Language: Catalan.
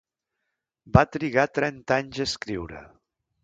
Va trigar trenta anys a escriure.